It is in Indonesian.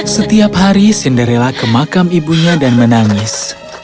setiap hari cinderella ke makam ibunya dan menangis